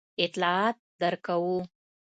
اطلاعات درکوو.